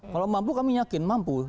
kalau mampu kami yakin mampu